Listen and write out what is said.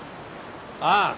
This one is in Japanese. ああ。